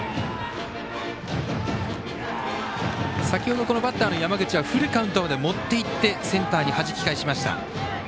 先ほどバッターの山口はフルカウントまで持っていってセンターにはじき返しました。